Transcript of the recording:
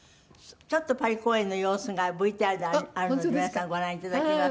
ちょっとパリ公演の様子がＶＴＲであるので皆さんご覧いただきます。